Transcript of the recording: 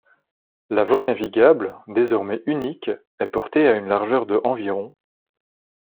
La voie navigable, désormais unique, est portée à une largeur de environ.